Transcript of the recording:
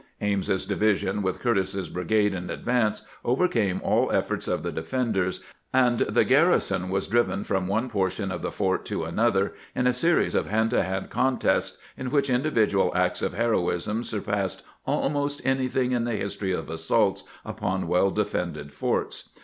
Ames's division, with Curtis's brigade in advance, overcame all efforts of the defenders, and the garrison was driven from one portion of the fort to another in a series of hand to hand contests, in which individual acts of heroism sur passed almost anything in the history of assaults upon well defended forts.